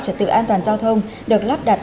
trật tự an toàn giao thông được lắp đặt